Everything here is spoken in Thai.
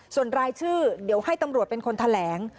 ส่วนรายชื่อเดี๋ยวให้ตำรวจเป็นคนแถลง